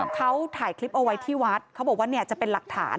เขาถ่ายคลิปเอาไว้ที่วัดเขาบอกว่าเนี่ยจะเป็นหลักฐาน